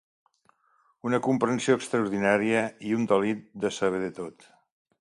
Una comprensió extraordinària, i un delit de saber de tot